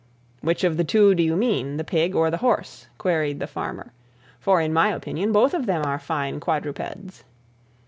"Which of the two do you mean, the pig or the horse?" queried the farmer, "for, in my opinion, both of them are fine quadrupeds."